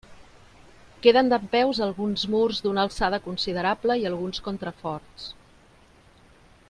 Queden dempeus alguns murs d'una alçada considerable i alguns contraforts.